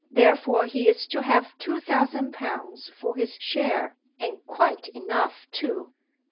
Therefore he is to have two thousand pounds for his share. And quite enough too."